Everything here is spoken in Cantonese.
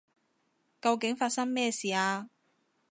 究竟發生咩事啊？